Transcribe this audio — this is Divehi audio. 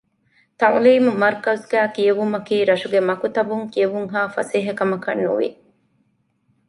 ތަޢުލީމީ މަރުކަޒުގައި ކިޔެވުމަކީ ރަށުގެ މަކުތަބުން ކިޔެވުންހާ ފަސޭހަ ކަމަކަށް ނުވި